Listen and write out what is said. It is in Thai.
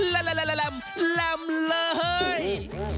ละละละลำลำเลย